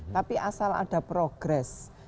tapi asal ada progress